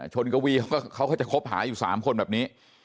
กวีเขาก็จะคบหาอยู่๓คนแบบนี้